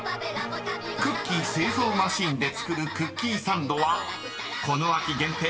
［クッキー製造マシンで作るクッキーサンドはこの秋限定